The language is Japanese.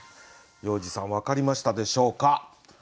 要次さん分かりましたでしょうか。